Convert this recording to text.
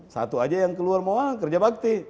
satu saja yang keluar kerja bakti